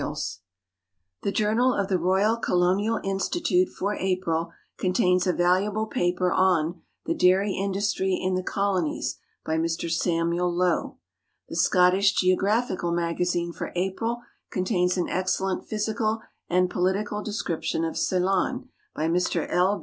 ALS The Journal of tlu lloiinl Colonial Inxlitntc for .\pril contains a valuable paper on "The Dairy Industry in the Colonies," by Mr Sanuiel Lowe. TheScoUixh Geoijraphiral Magazine for April contains an excellent phys ical and political description of Ceylon l)y Mr L.